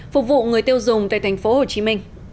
phục vụ người tiêu dùng tại tp hcm